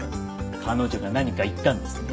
彼女が何か言ったんですね？